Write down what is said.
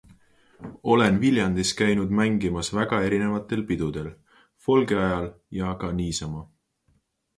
Olen Viljandis käinud mängimas väga erinevatel pidudel - folgi ajal ja ka niisama.